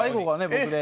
僕で。